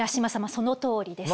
そのとおりです。